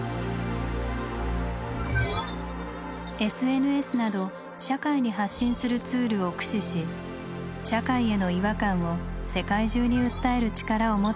ＳＮＳなど社会に発信するツールを駆使し社会への違和感を世界中に訴える力を持つようになった若者たち。